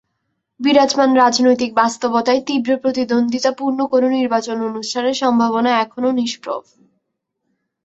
বিরাজমান রাজনৈতিক বাস্তবতায় তীব্র প্রতিদ্বন্দ্বিতাপূর্ণ কোনো নির্বাচন অনুষ্ঠানের সম্ভাবনা এখনো নিষ্প্রভ।